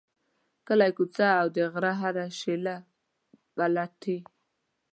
کلی، کوڅه او د غره هره شیله پلټي.